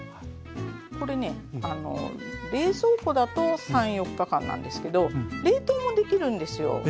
これね冷蔵庫だと３４日間なんですけど冷凍もできるんですよ。